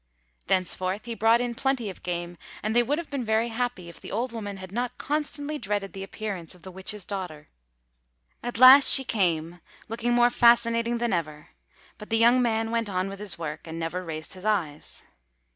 Thenceforth, he brought in plenty of game, and they would have been very happy if the old woman had not constantly dreaded the appearance of the witch's daughter. At last she came, looking more fascinating than ever; but the young man went on with his work, and never raised his eyes.